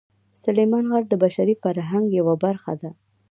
سلیمان غر د بشري فرهنګ یوه برخه ده.